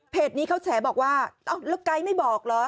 นี้เขาแฉบอกว่าแล้วไกด์ไม่บอกเหรอ